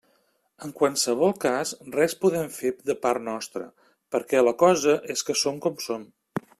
En qualsevol cas res podem fer de part nostra, perquè la cosa és que som com som.